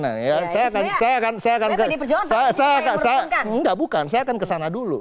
saya akan saya akan saya akan enggak bukan saya akan kesana dulu